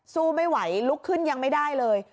สู้ไม่ไหวลุกขึ้นยังไม่ได้เลย